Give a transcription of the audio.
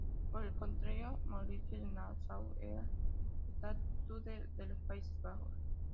Por el contrario, Mauricio de Nassau era estatúder de los Países Bajos.